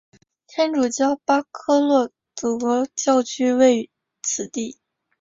天主教巴科洛德教区位于此地。